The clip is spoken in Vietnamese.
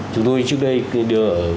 chúng tôi trước đây đưa ở